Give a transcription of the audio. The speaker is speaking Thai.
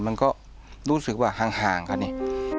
มันก็รู้สึกว่าห่างกันนี่